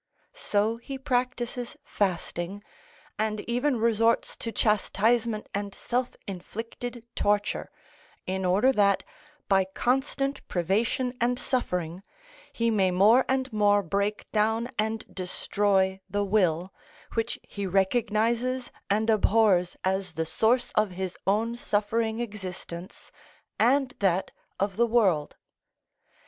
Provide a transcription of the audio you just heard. So he practises fasting, and even resorts to chastisement and self inflicted torture, in order that, by constant privation and suffering, he may more and more break down and destroy the will, which he recognises and abhors as the source of his own suffering existence and that of the world.